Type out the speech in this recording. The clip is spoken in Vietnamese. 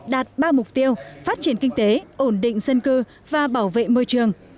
đạt ba mục tiêu phát triển kinh tế ổn định dân cư và bảo vệ môi trường